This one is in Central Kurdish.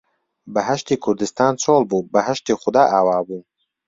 بەهەشتی کوردستان چۆڵ بوو، بەهەشتی خودا ئاوا بوو